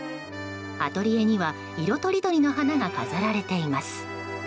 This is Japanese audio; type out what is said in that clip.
アトリエには色とりどりの花が飾られています。